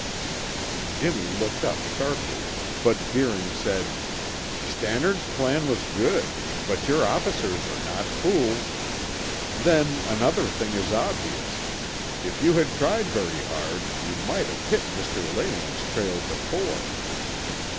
Jimmy looked up sharply, but Deering said, "Stannard's plan was good, but your officers are not fools. Then another thing is obvious; if you had tried very hard, you might have hit Mr. Leyland's trail before."